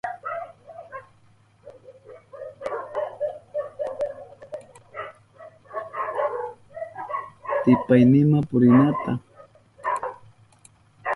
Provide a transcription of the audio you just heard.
Tipaynima purinata,